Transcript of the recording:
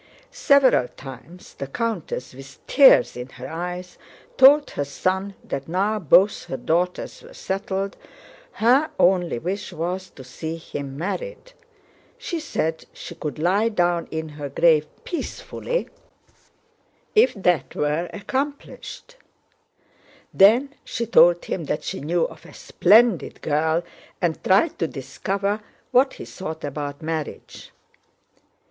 Several times the countess, with tears in her eyes, told her son that now both her daughters were settled, her only wish was to see him married. She said she could lie down in her grave peacefully if that were accomplished. Then she told him that she knew of a splendid girl and tried to discover what he thought about marriage.